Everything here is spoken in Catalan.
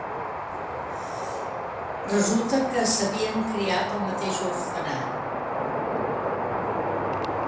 Resulta que s'havien criat al mateix orfenat.